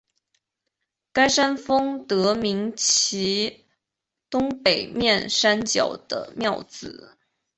该山峰得名自其东北面山脚的庙仔。